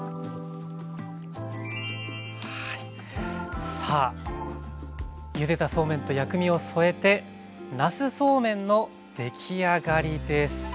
はいさあゆでたそうめんと薬味を添えて出来上がりです。